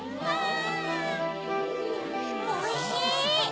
・おいしい！